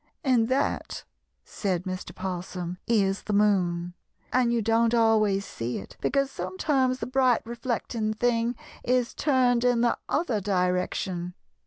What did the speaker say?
"And that," said Mr. 'Possum, "is the moon. And you don't always see it because sometimes the bright reflecting thing is turned in the other direction.